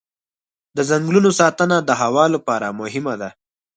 د ځنګلونو ساتنه د هوا لپاره مهمه ده.